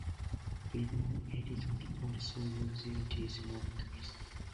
Video editors also use these models.